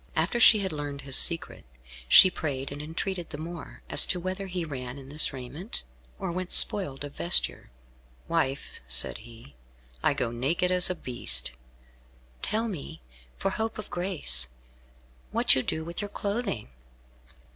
After she had learned his secret, she prayed and entreated the more as to whether he ran in his raiment, or went spoiled of vesture. "Wife," said he, "I go naked as a beast." "Tell me, for hope of grace, what you do with your clothing?"